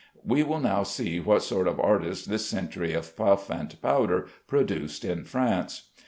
We will now see what sort of artists this century of puff and powder produced in France.